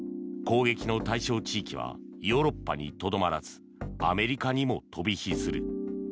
攻撃の対象地域はヨーロッパにとどまらずアメリカにも飛び火する。